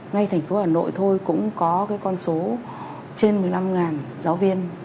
ngay thành phố hà nội thôi cũng có cái con số trên một mươi năm giáo viên